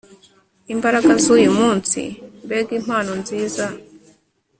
imbaraga z'uyu munsi; mbega impano nziza